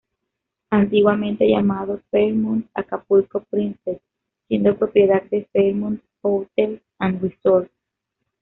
Antiguamente llamado "Fairmont Acapulco Princess" siendo propiedad de Fairmont Hotels and Resorts.